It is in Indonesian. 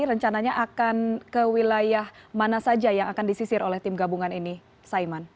rencananya akan ke wilayah mana saja yang akan disisir oleh tim gabungan ini saiman